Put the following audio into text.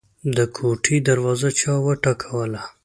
د کوټې دروازه چا وټکوله.